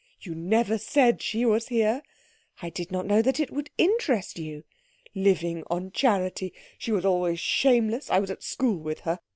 "You never said she was here " "I did not know that it would interest you." " living on charity she was always shameless I was at school with her.